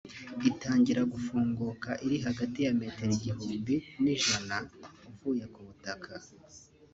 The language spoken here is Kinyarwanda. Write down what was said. Itangira gufunguka iri hagati ya metero igihumbi n’ijana uvuye ku butaka